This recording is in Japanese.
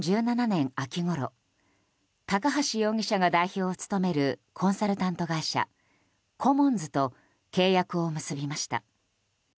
秋ごろ高橋容疑者が代表を務めるコンサルタント会社コモンズと契約を結びました。